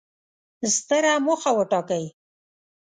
ستره موخه وټاکئ!